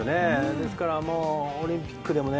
だから、オリンピックでもね。